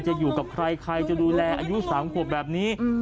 อยู่กับใครใครจะดูแลอายุ๓ขวบแบบนี้